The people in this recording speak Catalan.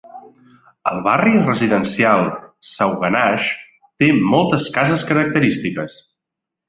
El barri residencial Sauganash té moltes cases característiques.